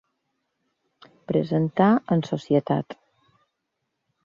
Presentar en societat.